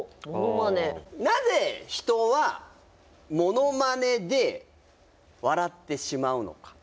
なぜ人はモノマネで笑ってしまうのか。